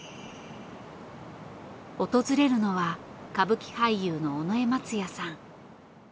訪れるのは歌舞伎俳優の尾上松也さん。